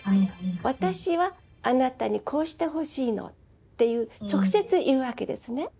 「私はあなたにこうしてほしいの」っていう直接言うわけですね。